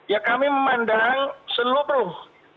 ya kami memandang seluruh